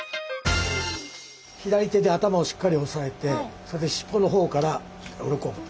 左手で頭をしっかりおさえてそれでしっぽの方からウロコを。